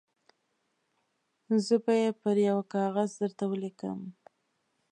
زه به یې پر یوه کاغذ درته ولیکم.